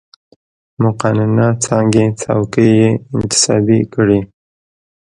مقننه څانګې څوکۍ یې انتصابي کړې.